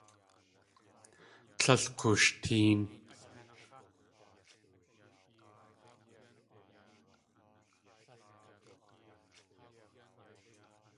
Tlél k̲ooshtéen.